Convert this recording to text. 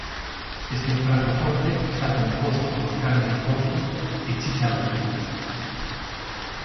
Este prato forte está composto por carne de porco e chícharos fritos.